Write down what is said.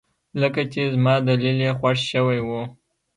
لکه چې زما دليل يې خوښ شوى و.